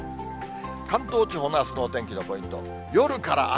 関東地方のあすのお天気のポイント、夜から雨。